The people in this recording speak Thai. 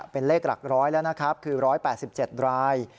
เป็นเลขหลักร้อยแล้วนะครับคือ๑๘๗ราย